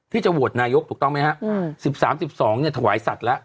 ที่จะโหวตนายกถูกต้องไหมฮะอืมสิบสามสิบสองเนี้ยถวายสัตว์แล้ว